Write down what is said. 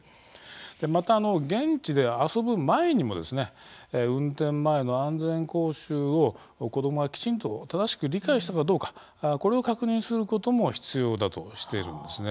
また現地で遊ぶ前にも運転前の安全講習を子どもがきちんと正しく理解したかどうかこれを確認することも必要だとしているんですね。